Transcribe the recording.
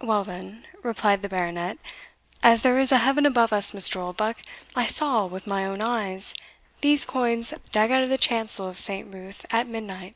"Well, then," replied the Baronet, "as there is a heaven above us, Mr. Oldbuck, I saw, with my own eyes, these coins dug out of the chancel of St. Ruth at midnight.